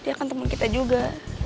dia akan temen kita juga